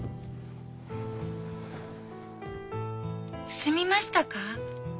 すみましたか？